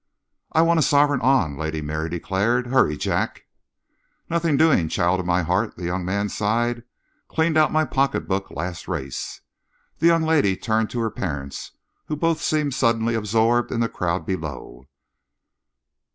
"I want a sovereign on," Lady Mary decided. "Hurry, Jack!" "Nothing doing, child of my heart," the young man sighed. "Cleaned out my pocketbook last race." The young lady turned to her parents, who both seemed suddenly absorbed in the crowd below.